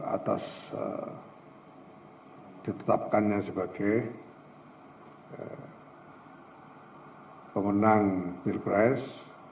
atas ditetapkannya sebagai pemenang pilpres